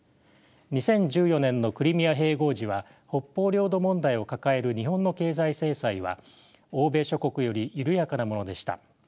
２０１４年のクリミア併合時は北方領土問題を抱える日本の経済制裁は欧米諸国より緩やかなものでした。